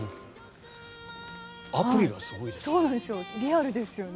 アプリがすごいですね。